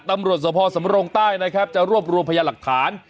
ตำรวจสภสำรงใต้นะครับจะรวบรวมพยาหลักฐาน